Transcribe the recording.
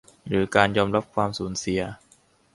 หรือการยอมรับความสูญเสีย